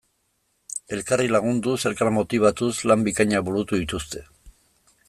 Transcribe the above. Elkarri lagunduz, elkar motibatuz, lan bikainak burutu dituzte.